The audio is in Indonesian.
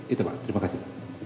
itu pak terima kasih